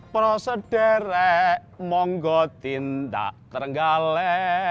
prosedere monggo tinda terenggale